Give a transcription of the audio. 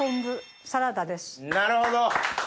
なるほど！